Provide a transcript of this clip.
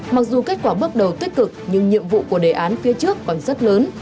mặc dù kết quả bước đầu tích cực nhưng nhiệm vụ của đề án phía trước còn rất lớn